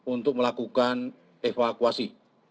untuk melakukan evakuasi